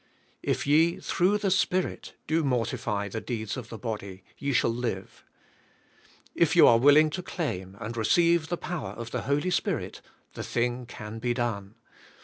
"If ye through the Spirit do mortify the deeds of the body ye shall live." If you are willing to claim, and receive the power of the Holy Spirit the thing can be done.